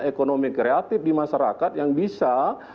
ekonomi kreatif di masyarakat yang bisa